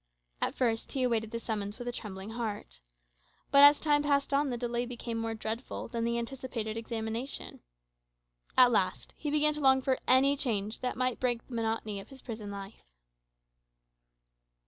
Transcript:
At first he awaited the summons with a trembling heart. But as time passed on, the delay became more dreadful than the anticipated examination. At last he began to long for any change that might break the monotony of his prison life.